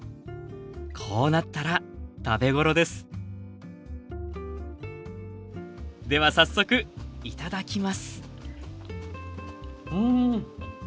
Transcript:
こうなったら食べ頃ですでは早速頂きますうん。